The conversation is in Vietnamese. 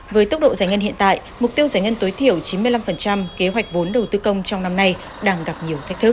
với tốc độ giải ngân hiện tại mục tiêu giải ngân tối thiểu chín mươi năm kế hoạch vốn đầu tư công trong năm nay đang gặp nhiều thách thức